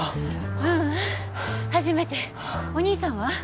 ううん初めておにいさんは？